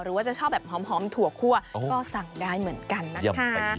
หรือว่าจะชอบแบบหอมถั่วคั่วก็สั่งได้เหมือนกันนะคะ